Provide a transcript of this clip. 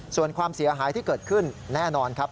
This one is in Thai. ส่วนความเสียหายที่เกิดขึ้นแน่นอนครับ